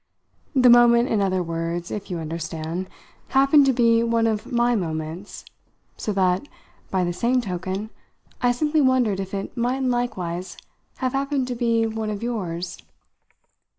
The moment, in other words, if you understand, happened to be one of my moments; so that, by the same token, I simply wondered if it mightn't likewise have happened to be one of yours."